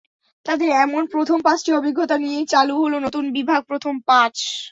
তাঁদের এমন প্রথম পাঁচটি অভিজ্ঞতা নিয়েই চালু হলো নতুন বিভাগ প্রথম পাঁচ।